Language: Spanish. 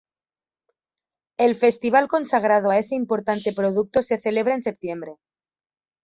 El festival consagrado a ese importante producto se celebra en septiembre.